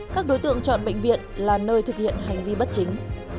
các đối tượng chọn bệnh viện là nơi thực hiện hành vi bất chính